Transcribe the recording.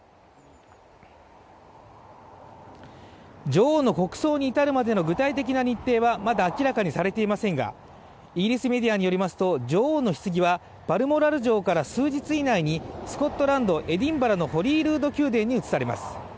女王の国葬に至るまでの具体的な日程はまだ明らかにされていませんがイギリスメディアによりますと女王のひつぎはバルモラル城から数日以内にスコットランド・エディンバラのホリールード宮殿に移送されます。